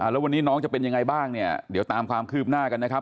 แล้ววันนี้น้องจะเป็นยังไงบ้างเนี่ยเดี๋ยวตามความคืบหน้ากันนะครับ